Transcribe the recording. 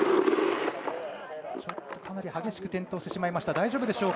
かなり激しく転倒してしまいました。